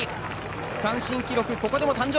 区間新記録、ここでも誕生。